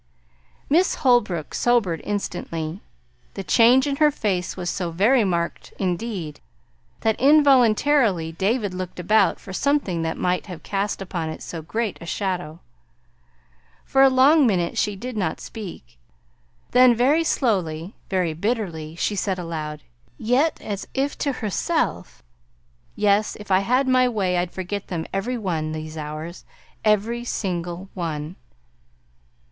Miss Holbrook sobered instantly. The change in her face was so very marked, indeed, that involuntarily David looked about for something that might have cast upon it so great a shadow. For a long minute she did not speak; then very slowly, very bitterly, she said aloud yet as if to herself: "Yes. If I had my way I'd forget them every one these hours; every single one!"